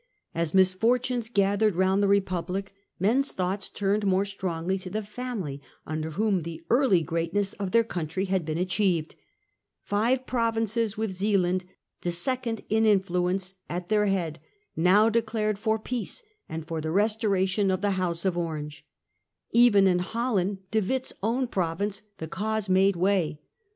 As misfortunes collected round the Republic, Difficulties men's thoughts turned more strongly to the iTm Orange ^ am ^y un der whom the early greatness of their faction. country had been achieved. Five provinces, with Zealand, the second in influence, at their head, now declared for peace, and for the restoration of the House of Orange. Even in Holland, De Witt's own province, the cause made way.